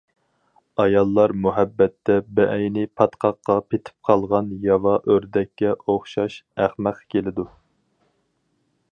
ئاياللار مۇھەببەتتە بەئەينى پاتقاققا پېتىپ قالغان ياۋا ئۆردەككە ئوخشاش ئەخمەق كېلىدۇ.